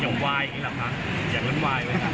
อยากเล่นวายด์ด้วยครับ